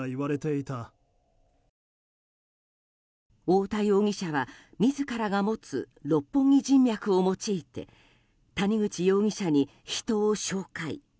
太田容疑者は自らが持つ六本木人脈を用いて谷口容疑者に人を紹介。